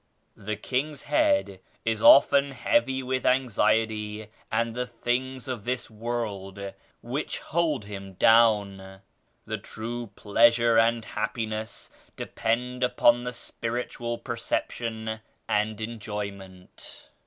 The king's head is often heavy with anxiety and the things of this world which hold him down. The true pleasure and happi ness depend upon the spiritual perception and enjoyment.